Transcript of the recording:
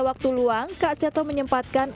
waktu luang kak seto menyempatkan